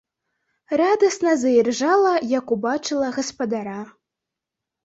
Радасна заіржала, як убачыла гаспадара.